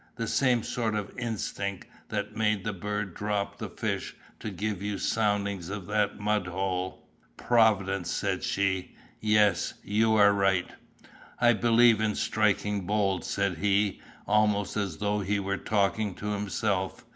"The same sort of instinc' that made that bird drop the fish to give you soundin's of that mud hole." "Providence," said she, "yes you are right." "I believe in strikin' bold," said he, almost as though he were talking to himself.